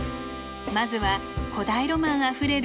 まずは古代ロマンあふれる